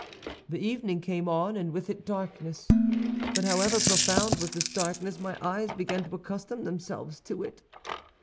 "The evening came on, and with it darkness; but however profound was this darkness, my eyes began to accustom themselves to it.